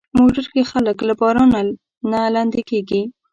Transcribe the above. موټر کې خلک له بارانه نه لندي کېږي.